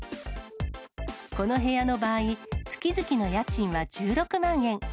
この部屋の場合、月々の家賃は１６万円。